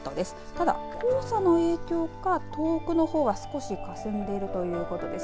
ただ、黄砂の影響か遠くの方は少しかすんでいるということです。